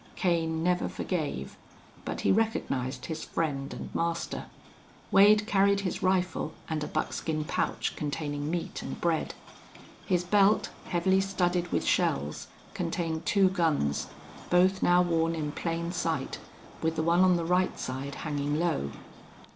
Kane never forgave; but he recognized his friend and master. Wade carried his rifle and a buckskin pouch containing meat and bread. His belt, heavily studded with shells, contained two guns, both now worn in plain sight, with the one on the right side hanging low.